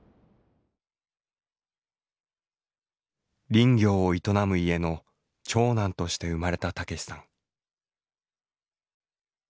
林業を営む家の長男として生まれた武さん。